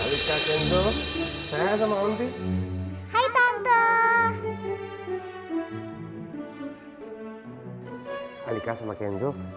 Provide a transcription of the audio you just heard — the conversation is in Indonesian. dan siapa tuh yang kurang mendengar